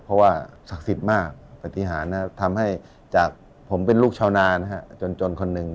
เพราะว่าศักดิ์สิทธิ์มากปฏิหารทำให้จากผมเป็นลูกชาวนานจนคนหนึ่ง